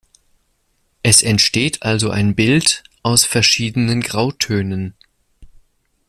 Es entsteht also ein Bild aus verschiedenen Grautönen.